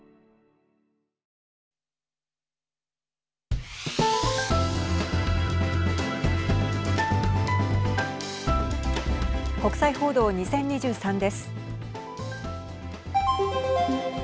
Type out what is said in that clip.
国際報道２０２３です。